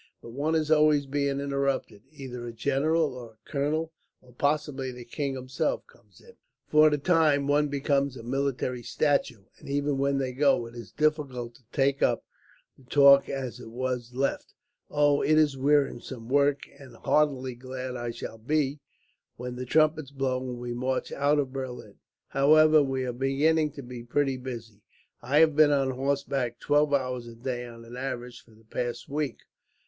But one is always being interrupted; either a general, or a colonel, or possibly the king himself, comes in. "For the time, one becomes a military statue; and even when they go, it is difficult to take up the talk as it was left. Oh, it is wearisome work, and heartily glad I shall be, when the trumpets blow and we march out of Berlin. However, we are beginning to be pretty busy. I have been on horseback, twelve hours a day on an average, for the past week.